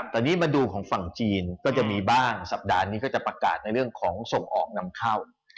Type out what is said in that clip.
แต่นี่มาดูของฝั่งจีนก็จะมีบ้างสัปดาห์นี้ก็จะประกาศในเรื่องของส่งออกนำเข้า